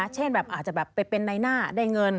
เช่นอาจจะเป็นในหน้าได้เงิน